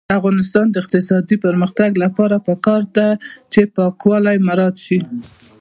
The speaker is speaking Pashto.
د افغانستان د اقتصادي پرمختګ لپاره پکار ده چې پاکوالی مراعات شي.